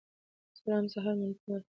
سلام سهار مو نیکمرغه